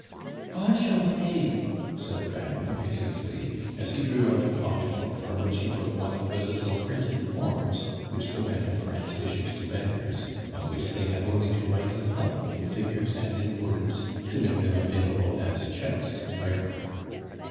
"I shall pay," said the Baron piteously, as he drew out a pocket book, from which he took one of the little printed forms which the Bank of France issues to bankers, on which they have only to write a sum in figures and in words to make them available as cheques to bearer.